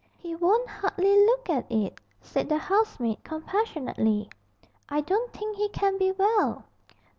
'He won't hardly look at it,' said the housemaid compassionately. 'I don't think he can be well.'